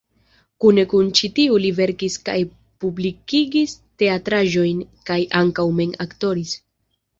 Kune kun ĉi tiu li verkis kaj publikigis teatraĵojn kaj ankaŭ mem aktoris.